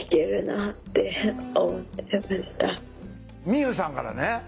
みゆうさんからね